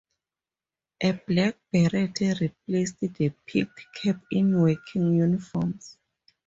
A black beret replaced the peaked cap in working uniforms.